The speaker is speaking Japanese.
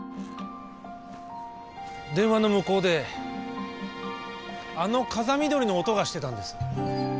電話の向こうであの風見鶏の音がしてたんです。